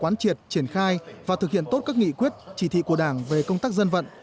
quán triệt triển khai và thực hiện tốt các nghị quyết chỉ thị của đảng về công tác dân vận